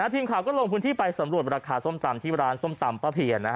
ทีมข่าวก็ลงพื้นที่ไปสำรวจราคาส้มตำที่ร้านส้มตำป้าเพียน